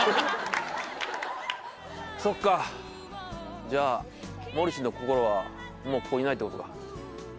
そっかじゃあモリシの心はもうここにないってことか。